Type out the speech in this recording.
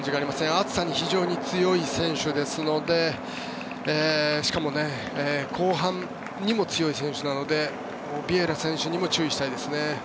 暑さに非常に強い選手ですので後半にも強い選手なのでビエイラ選手にも注意したいですね。